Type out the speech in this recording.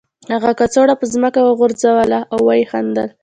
هغه کڅوړه په ځمکه وغورځوله او ویې خندل